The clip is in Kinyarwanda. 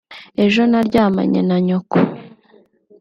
ejo naryamanye na nyoko